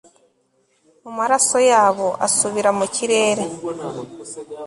mu maraso yabo, asubira mu kirere